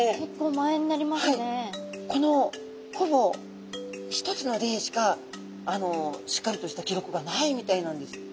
このほぼ一つの例しかしっかりとした記録がないみたいなんです。